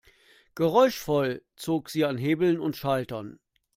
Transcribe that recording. Geräuschvoll zog sie an Hebeln und Schaltern.